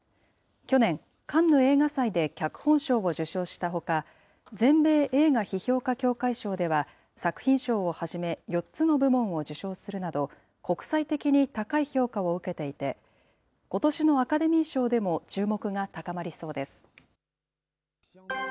去年、カンヌ映画祭で脚本賞を受賞したほか、全米映画批評家協会賞では作品賞をはじめ、４つの部門を受賞するなど、国際的に高い評価を受けていて、ことしのアカデミー賞でも注目が高まりそうです。